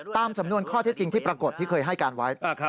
ตามสำนวนข้อเท็จจริงที่ปรากฏที่เคยให้การไว้